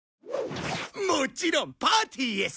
もちろんパーティーへさ！